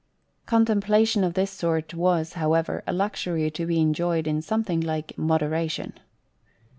Contemplation of this sort was, however, a luxury to be enjoyed in something like modera tion.